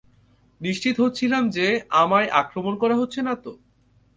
নিশ্চিত হচ্ছিলাম যে, আমায় আক্রমণ করা হচ্ছে না তো।